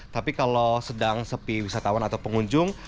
tapi kalau sedang sepi wisatawan atau pengunjung